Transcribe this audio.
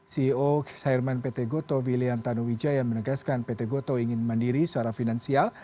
ceo kisahirman pt goto william tanu wijaya menegaskan pt goto ingin mandiri secara finansial